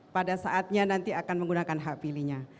pada saatnya nanti akan menggunakan hak pilihnya